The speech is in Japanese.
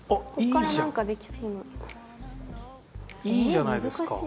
いいじゃないですか。